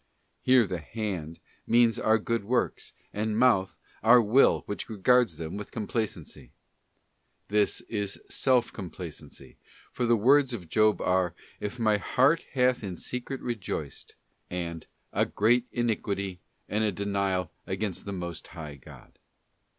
'* Here the 'hand' means our good works, and ' mouth' our will which regards them with complacency. This is self complacency, for the words of Job are, if my 'heart hath in secret rejoiced,' and a 'great iniquity, and a denial against the Most High God.